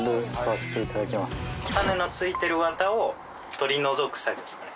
種の付いてる綿を取り除く作業ですかね